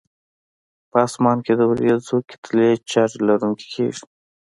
په اسمان کې د وریځو کتلې چارج لرونکي کیږي.